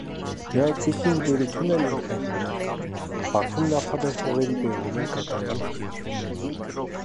Մի այդպիսի ընկերություն էլ ինքն էր հիմնել՝ Բաքվում նավթաբեր հողերի պեղումներ կատարելու համար: